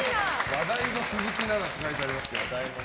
話題の鈴木奈々って書いてありますけど。